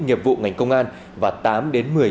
nghiệp vụ ngành công an và tám đến một mươi